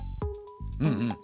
うんうん。